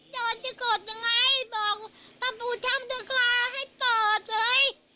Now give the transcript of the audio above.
โดนจะกดไงบอกพ่อปู่นาคาให้เปิดเลย